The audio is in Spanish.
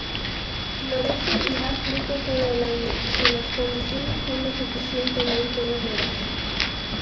Florece y da fruto todo el año, si las condiciones son lo suficientemente húmedas.